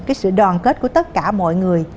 cái sự đoàn kết của tất cả mọi người